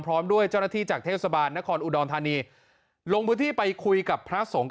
พร้อมด้วยเจ้าหน้าที่จากเทศบาลนครอุดรธานีลงพื้นที่ไปคุยกับพระสงฆ์